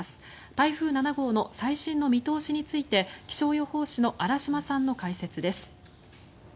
台風７号の最新の見通しについて気象予報士の荒嶋さんの解説です。